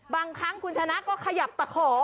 บางครั้งคุณชนะก็ขยับตะขอ